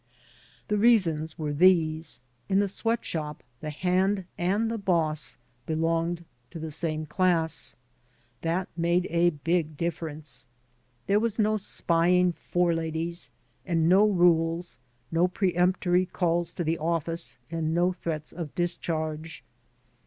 The reasons were these: In the sweat shop the hand and the boss belonged to the same class. That made a big diflference. There were no spying "fore ladies and no rules, no peremptory calls to the oflSce and no threats of discharge.